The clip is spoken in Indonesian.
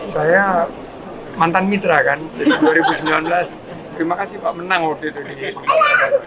saya mantan mitra kan jadi dua ribu sembilan belas terima kasih pak menang waktu itu di sumatera